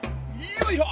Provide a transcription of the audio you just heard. よいしょ。